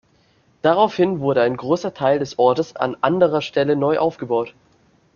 Daraufhin wurde ein großer Teil des Ortes an anderer Stelle neu aufgebaut.